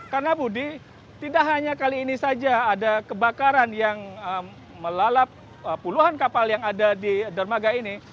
karena budi tidak hanya kali ini saja ada kebakaran yang melalap puluhan kapal yang ada di dermaga ini